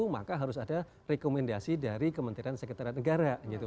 maka harus ada rekomendasi dari kementerian sekretariat negara gitu